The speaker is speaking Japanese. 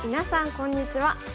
こんにちは。